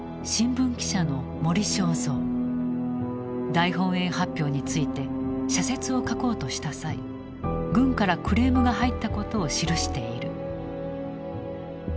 大本営発表について社説を書こうとした際軍からクレームが入ったことを記している。